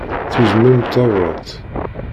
Tuzen-am-d tabrat.